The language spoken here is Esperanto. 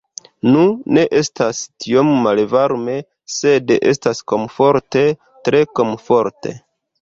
Nu, ne estas tiom malvarme sed estas komforte tre komforte